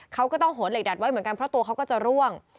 เขาก็ต้องโหนเหล็กดัดไว้เหมือนกันเพราะตัวเขาก็จะร่วง